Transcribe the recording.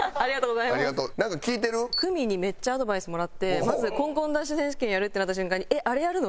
久美にめっちゃアドバイスもらってまずコンコンダッシュ選手権やるってなった瞬間に「えっあれやるの？